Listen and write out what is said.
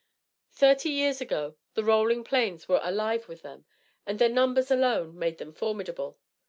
Thirty years ago the rolling plains were alive with them, and their numbers alone made them formidable.